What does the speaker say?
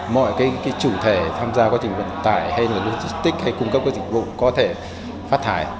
mọi chủ thể tham gia quá trình vận tải hay là logistics hay cung cấp các dịch vụ có thể phát thải